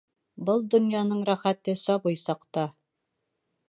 Был донъяның рәхәте сабый саҡта.